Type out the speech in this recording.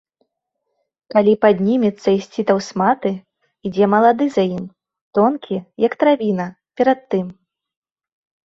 Калі паднімецца ісці таўсматы, ідзе малады за ім, тонкі, як травіна, перад тым.